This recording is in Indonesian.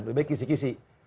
lebih baik kisi kisi